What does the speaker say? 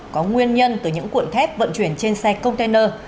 có nguyên nhân từ những cuộn thép vận chuyển trên xe container